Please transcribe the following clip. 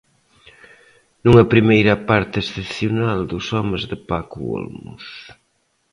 Nunha primeira parte excepcional dos homes de Paco Olmos.